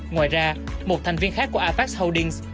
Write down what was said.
ngoài ra một thành viên khác của apex holdings